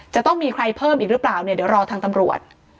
จะต้องมีใครเพิ่มอีกหรือเปล่าเนี่ยเดี๋ยวรอทางตำรวจ